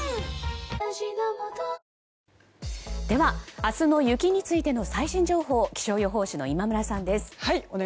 明日の雪についての最新情報気象予報士の今村さんです。